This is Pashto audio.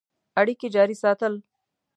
اړیکي جاري ساتل.